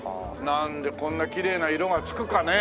なんでこんなきれいな色がつくかね？